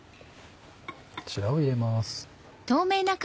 こちらを入れます。